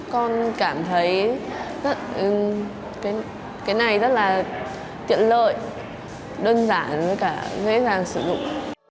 con cảm thấy cái này rất là tiện lợi đơn giản với cả dễ dàng sử dụng